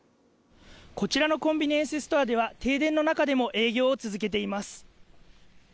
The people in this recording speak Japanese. こちらのコンビニエンスストアでは停電の中でも営業を続けています。